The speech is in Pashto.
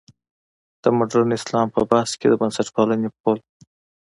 د مډرن اسلام په بحث کې د بنسټپالنې پل.